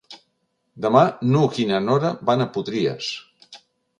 Demà n'Hug i na Nora van a Potries.